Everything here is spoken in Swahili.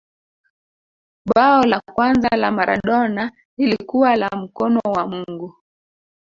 bao la kwanza la maradona lilikuwa la mkono wa mungu